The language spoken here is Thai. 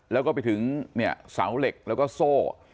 แล้วก็ไปถึงเนี่ยเสาเหล็กแล้วก็โซ่